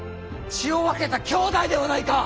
血を分けた兄弟ではないか！